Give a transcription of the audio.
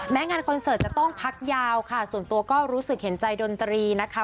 งานคอนเสิร์ตจะต้องพักยาวค่ะส่วนตัวก็รู้สึกเห็นใจดนตรีนะคะ